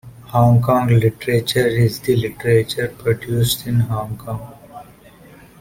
Hong Kong literature is the literature produced in Hong Kong.